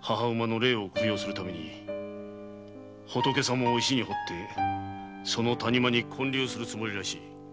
母馬の霊を供養するために仏様を石に彫ってその谷間に建立するつもりらしい。